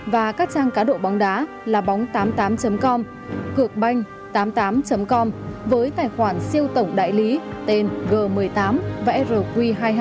và các trang cá độ bóng đá là bóng tám mươi tám com cượcbanh tám mươi tám com với tài khoản siêu tổng đại lý tên g một mươi tám và rq hai mươi hai